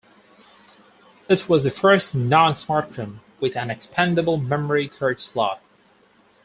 It was the first non-smartphone with an expandable memory card slot.